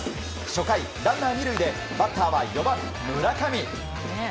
初回ランナー２塁でバッターは４番、村上。